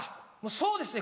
そうですね